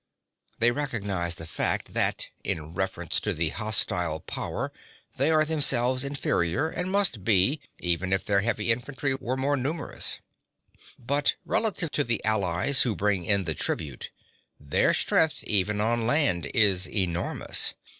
They recognise the fact that, in reference to the hostile power, they are themselves inferior, and must be, even if their heavy infantry were more numerous. (1) But relatively to the allies, who bring in the tribute, their strength even on land is enormous.